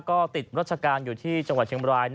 ก็ติดรัชการอยู่ที่จังหวัดเชียงบราย